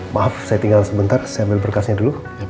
maaf saya tinggal sebentar saya ambil berkasnya dulu